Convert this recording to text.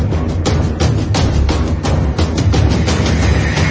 พอไปอยู่ตรงนั้นครับพอถึงเวลาที่เขาเจอผม